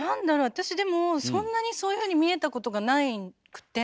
私でもそんなにそういうふうに見えたことがなくて。